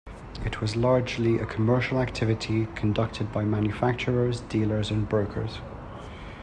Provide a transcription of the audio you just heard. It was largely a commercial activity conducted by manufacturers, dealers, and brokers.